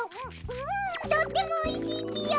ふんとってもおいしいぴよ。